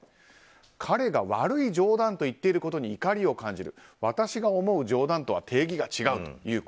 彼が悪い冗談と言っていることに怒りを感じる私が思う冗談とは定義が違うという声。